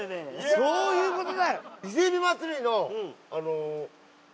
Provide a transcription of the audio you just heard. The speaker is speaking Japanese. そういうことで！